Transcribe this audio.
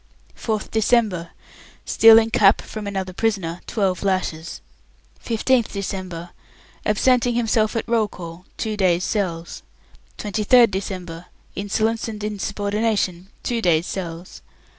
4th December, stealing cap from another prisoner, 12 lashes. 15th December, absenting himself at roll call, two days' cells. 23rd December, insolence and insubordination, two days' cells.